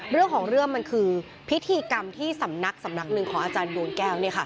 เรื่องของเรื่องมันคือพิธีกรรมที่สำนักสำนักหนึ่งของอาจารย์ดวงแก้ว